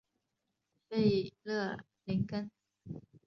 弗勒宁根。